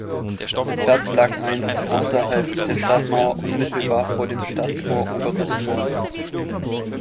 Der Platz lag einst außerhalb der Stadtmauer unmittelbar vor dem Stadttor Oberes Tor.